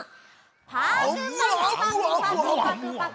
パクパクパクパク。